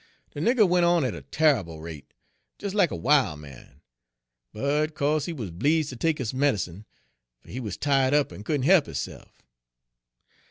De nigger went on at a tarrable rate, des lack a wil' man, but co'se he wuz bleedzd ter take his med'cine, fer he wuz tied up en couldn' he'p hisse'f.